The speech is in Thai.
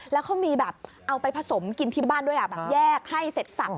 แล้วเขามีแบบเอาไปผสมกินที่บ้านด้วยแบบแยกให้เสร็จสับ